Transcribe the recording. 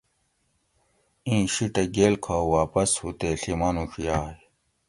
ایں شیٹہ گیل کھا واپس ھو تے ڷی مانوڄ یاگ